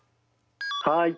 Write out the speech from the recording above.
はい。